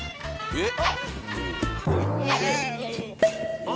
えっ。